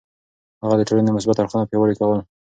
هغه د ټولنې مثبت اړخونه پياوړي کول.